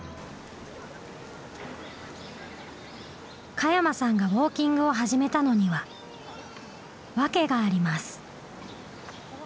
加山さんがウォーキングを始めたのには訳があります。